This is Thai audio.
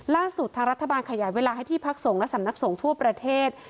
ทางรัฐบาลขยายเวลาให้ที่พักสงฆ์และสำนักสงฆ์ทั่วประเทศ